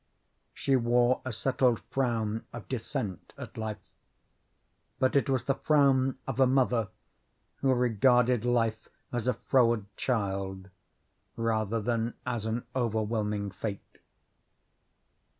She wore a settled frown of dissent at life, but it was the frown of a mother who regarded life as a froward child, rather than as an overwhelming fate.